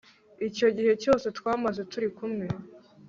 icyo gihe cyose twamaze turi kumwe